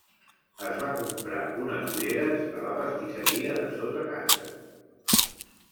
Es va comprar unes ulleres a la pastisseria de sota casa.